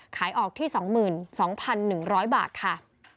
ขายออกที่๒๒๑๐๐บาทค่ะ